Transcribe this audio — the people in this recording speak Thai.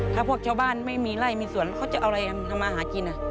ถ้าพวกชาวบ้านไม่มีไล่มีส่วนแล้วเขาจะเอาอะไรทำมาหากิน